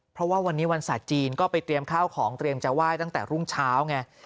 เพราะว่าวันนี้วันศาสตร์จีนก็ไปเตรียมข้าวของเตรียมจะไหว้ตั้งแต่รุ่งเช้าไง